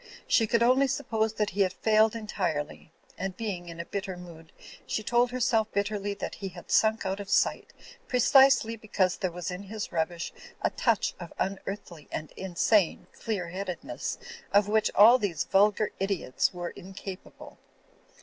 She could only sup pose that he had failed entirely ; and, being in a bitter mood, she told herself bitterly that he had sunk out of sight precisely because there was in his rubbish a touch of unearthly and insane clear headedness of which all these vulgar idiots were incapable.